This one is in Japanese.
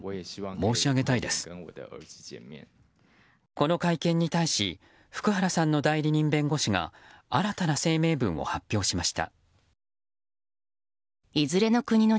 この会見に対し福原さんの代理人弁護士が新たな声明文を発表しました。